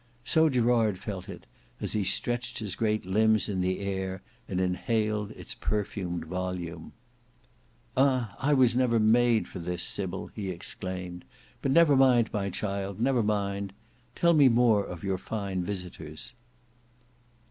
So Gerard felt it, as he stretched his great limbs in the air and inhaled its perfumed volume. "Ah! I was made for this, Sybil," he exclaimed; "but never mind, my child, never mind; tell me more of your fine visitors."